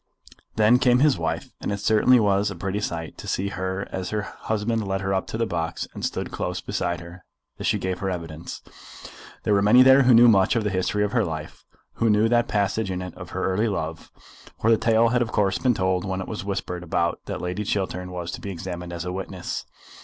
Then came his wife, and it certainly was a pretty sight to see as her husband led her up to the box and stood close beside her as she gave her evidence. There were many there who knew much of the history of her life, who knew that passage in it of her early love, for the tale had of course been told when it was whispered about that Lady Chiltern was to be examined as a witness.